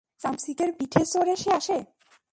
চামচিকের পিঠে চড়ে সে আসে!